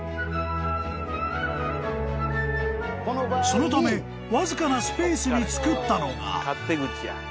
［そのためわずかなスペースにつくったのが］